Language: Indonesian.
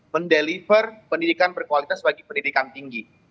mendeliver pendidikan berkualitas bagi pendidikan tinggi